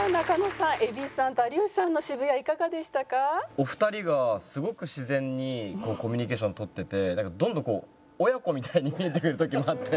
お二人がすごく自然にコミュニケーションを取っててどんどん親子みたいに見えてくる時もあって。